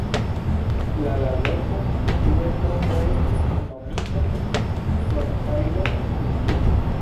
La la loko, tiu epoko estis nomita Cortaillod-kulturo.